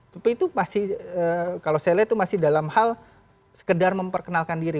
tapi itu pasti kalau saya lihat itu masih dalam hal sekedar memperkenalkan diri